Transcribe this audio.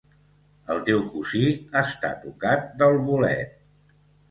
El teu cosí està tocat del bolet.